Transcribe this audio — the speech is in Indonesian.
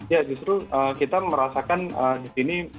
ya justru kita merasakan di sini